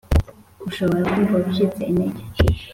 Ushobora kumva ucitse intege